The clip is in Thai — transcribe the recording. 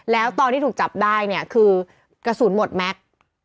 แล้วตอนที่ถูกจับได้เนี่ยคือกระสุนหมดแม็กซ์